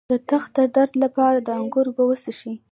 د تخه د درد لپاره د انګور اوبه وڅښئ